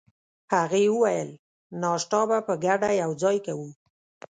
هغې وویل: ناشته به په ګډه یوځای کوو.